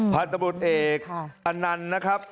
ภารณบริษัทเอกอนันตร์นะครับ